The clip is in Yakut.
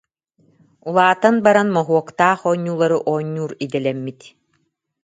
Улаатан баран моһуоктаах оонньуулары оонньуур идэлэммит